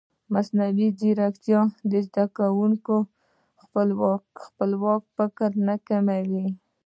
ایا مصنوعي ځیرکتیا د زده کوونکي خپلواک فکر نه کموي؟